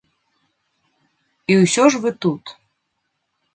І ўсё ж вы тут.